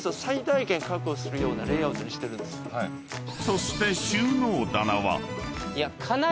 ［そして］